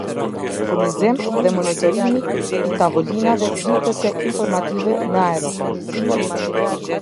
Furnizim dhe montimi i tavolinave pritëse informative në aeroport